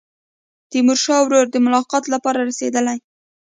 تیمورشاه ورور د ملاقات لپاره رسېدلی.